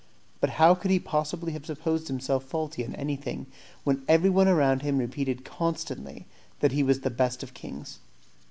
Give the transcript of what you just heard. But how could he possibly have supposed himself faulty in anything when everyone around him repeated constantly that he was the best of kings?